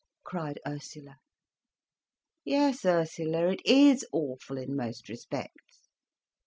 cried Ursula. "Yes, Ursula, it is awful, in most respects.